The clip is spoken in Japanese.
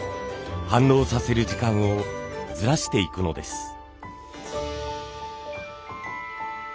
反応させる時間をずらしていくのです。